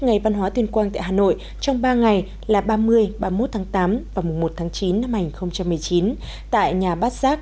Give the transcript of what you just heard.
ngày văn hóa tuyên quang tại hà nội trong ba ngày là ba mươi ba mươi một tám và một mươi một chín hai nghìn một mươi chín tại nhà bát giác